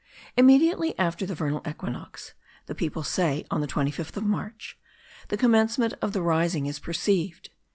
Immediately after the vernal equinox (the people say on the 25th of March) the commencement of the rising is perceived.